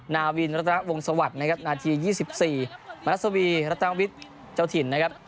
นาวินรัฐนาวงศวรรค์นะครับนาที๒๔มรัสวีรัตนาวิทย์เจ้าถิ่นนะครับ